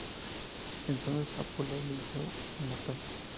Entonces Apolo la hizo inmortal.